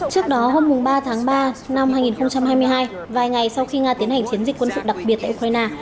trước đó hôm ba tháng ba năm hai nghìn hai mươi hai vài ngày sau khi nga tiến hành chiến dịch quân sự đặc biệt tại ukraine